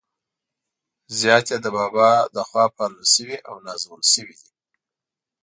زیات يې د بابا له خوا پالل شوي او نازول شوي دي.